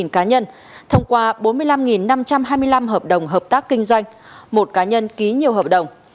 cá nhân thông qua bốn mươi năm năm trăm hai mươi năm hợp đồng hợp tác kinh doanh một cá nhân ký nhiều hợp đồng